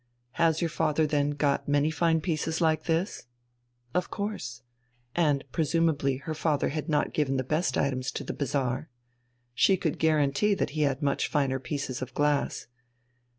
"Has your father, then, got many fine pieces like this?" Of course. And presumably her father had not given the best items to the bazaar. She could guarantee that he had much finer pieces of glass.